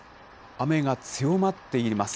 雨が強まっています。